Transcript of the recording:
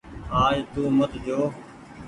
آج تو مت جو۔